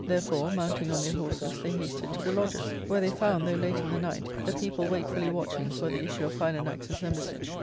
Therefore, mounting on their horses, they hasted to the lodges, where they found, though late in the night, the people wakefuUy watching for the issue of Philanax's embassage.